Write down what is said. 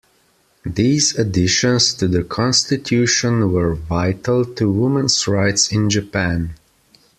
These additions to the constitution were vital to women's rights in Japan.